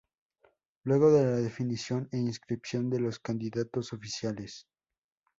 Luego de la definición e inscripción de los candidatos oficiales.